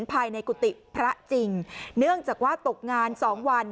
ภายในกุฏิพระจริงเนื่องจากว่าตกงานสองวัน